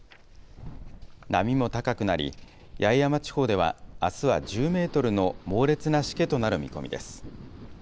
波も高くなり、八重山地方ではあすは１０メートルの猛烈なしけとなる見込みです。